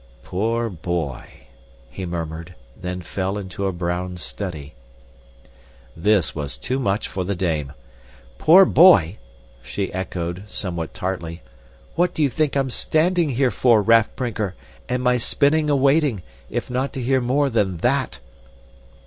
"Poor boy!" he murmured, then fell into a brown study. This was too much for the dame. "'Poor boy!'" she echoed, somewhat tartly. "What do you think I'm standing here for, Raff Brinker, and my spinning awaiting, if not to hear more than that?"